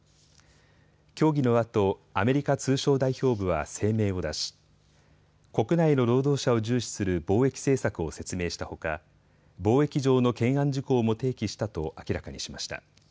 協議のあとアメリカ通商代表部は声明を出し国内の労働者を重視する貿易政策を説明したほか貿易上の懸案事項も提起したと明らかにしました。